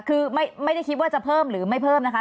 คือไม่ได้คิดว่าจะเพิ่มหรือไม่เพิ่มนะคะ